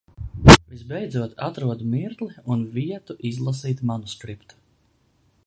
Visbeidzot atrodu mirkli un vietu izlasīt manuskriptu.